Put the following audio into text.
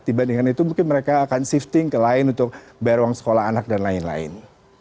dibandingkan itu mungkin mereka akan shifting ke lain untuk bayar uang sekolah anak dan lain lain